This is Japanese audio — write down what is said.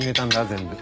全部。